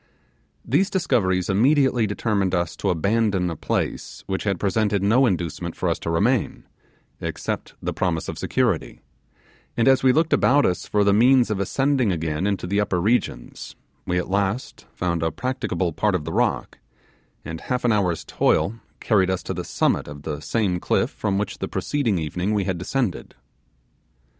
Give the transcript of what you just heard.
These discoveries immediately determined us to abandon a place which had presented no inducement for us to remain, except the promise of security; and as we looked about us for the means of ascending again into the upper regions, we at last found a practicable part of the rock, and half an hour's toil carried us to the summit of the same cliff from which the preceding evening we had descended.